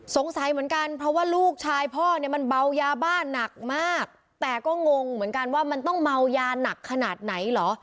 เหมือนกันเพราะว่าลูกชายพ่อเนี่ยมันเบายาบ้านหนักมากแต่ก็งงเหมือนกันว่ามันต้องเมายาหนักขนาดไหนเหรอ